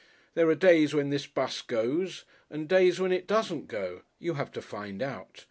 There are days when this 'bus goes and days when it doesn't go you have to find out.